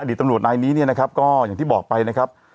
อดีตตำรวจนายนี้นะครับก็อย่างที่บอกไปนะครับ